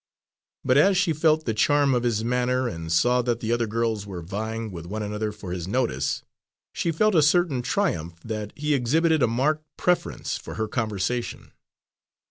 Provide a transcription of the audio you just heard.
But as she felt the charm of his manner, and saw that the other girls were vieing with one another for his notice, she felt a certain triumph that he exhibited a marked preference for her conversation.